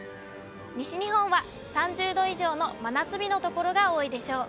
西日本は３０度以上の真夏日の所が多いでしょう。